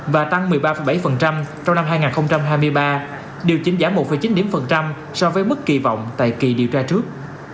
và tăng một mươi ba bảy trong năm hai nghìn hai mươi ba điều chỉnh giảm một chín so với bất kỳ vọng tại kỳ điều tra trước